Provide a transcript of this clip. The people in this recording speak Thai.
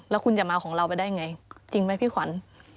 แล้วคุณจะมาของเราไปได้ไงจริงไหมพี่ขวัญ